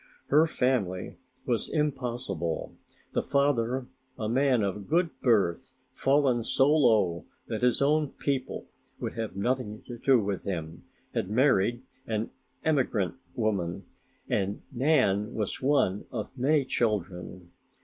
Her family was impossible, the father, a man of good birth fallen so low that his own people would have nothing to do with him, had married an emigrant woman and Nan was one of many children.